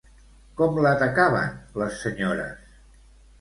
Com l'atacaven les senyores?